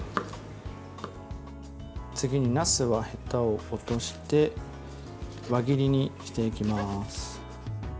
次に、なすのへたを落として輪切りにしていきます。